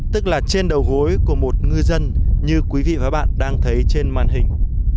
tức là trên đầu gối của một ngư dân như quý vị và các bạn đang thấy trên màn hình